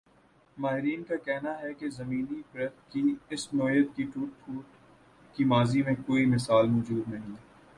ماہرین کا کہنا ہی کہ زمینی پرت کی اس نوعیت کی ٹوٹ پھوٹ کی ماضی میں کوئی مثال موجود نہیں ا